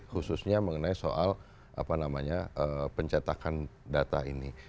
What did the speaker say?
khususnya mengenai soal pencetakan data ini